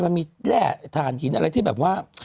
มันมีแร่ฐานหินอะไรที่แบบว่า